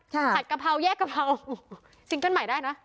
ผัดกะเพราแยกกะเพราซิงเกิ้ลใหม่ได้นะ